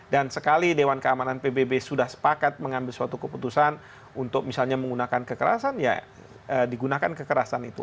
dan sekali dewan keamanan pbb sudah sepakat mengambil suatu keputusan untuk misalnya menggunakan kekerasan ya digunakan kekerasan itu